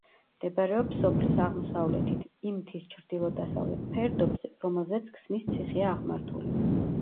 მდებარეობს სოფლის აღმოსავლეთით, იმ მთის ჩრდილო-დასავლეთ ფერდობზე, რომელზეც ქსნის ციხეა აღმართული.